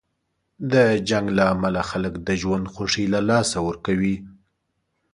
د جنګ له امله خلک د ژوند خوښۍ له لاسه ورکوي.